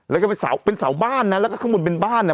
แล้วก็เป็นเสาเป็นเสาบ้านนะแล้วก็ข้างบนเป็นบ้านอ่ะ